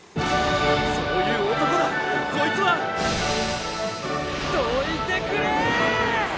そういう男だこいつは！どいてくれ！